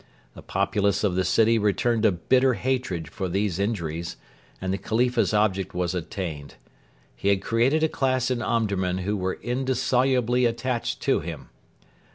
The populace of the city returned a bitter hatred for these injuries; and the Khalifa's object was attained. He had created a class in Omdurman who were indissolubly attached to him.